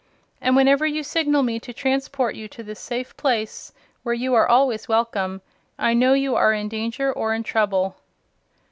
And whenever you signal me to transport you to this safe place, where you are always welcome, I know you are in danger or in trouble."